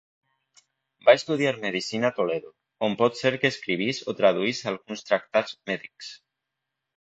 Va estudiar medicina a Toledo, on pot ser que escrivís o traduís alguns tractats mèdics.